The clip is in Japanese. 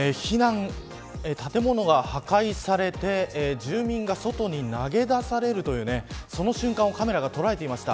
建物が破壊されて住民が外に投げ出されるというその瞬間をカメラが捉えていました。